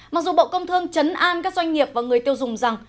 mặc dù bộ công thương chấn an các doanh nghiệp và người tiêu dùng rằng